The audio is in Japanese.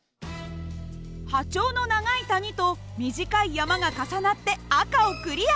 波長の長い谷と短い山が重なって赤をクリア。